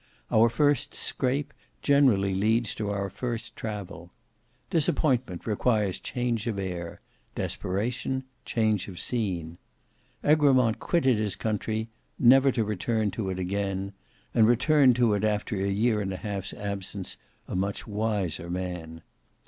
Our first scrape generally leads to our first travel. Disappointment requires change of air; desperation change of scene. Egremont quitted his country, never to return to it again; and returned to it after a year and a half's absence, a much wiser man.